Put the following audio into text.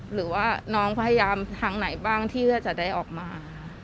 หรือว่าน้องพยายามทางไหนบ้างที่จะได้ออกมา